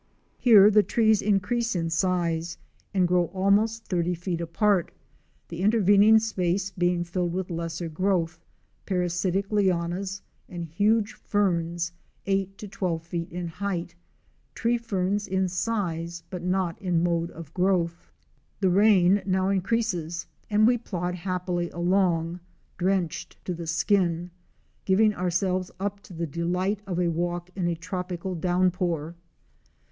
Here the trees increase in size and grow A GOLD MINE IN THE WILDERNESS. 195 almost thirty feet apart, the intervening space being filled with lesser growth, parasitic hanas and huge ferns cight to twelve feet in height, tree ferns in size but not in mode of growth. The rain now increases and we plod happily along drenched to the skin, giving ourselves up to the delight of a walk in a tropical downpour.